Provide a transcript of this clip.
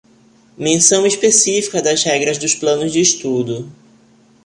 Menção específica das regras dos planos de estudo.